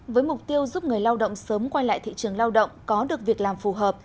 với mục tiêu giúp người lao động sớm quay lại thị trường lao động có được việc làm phù hợp